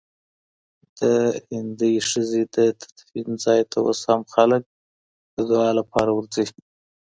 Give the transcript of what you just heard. د هندۍ ښځي د تدفین ځای ته اوس هم خلک د دعا لپاره ورځي.